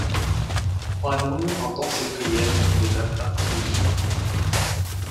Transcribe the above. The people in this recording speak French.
Hwanung entend ses prières qui l'émeuvent particulièrement.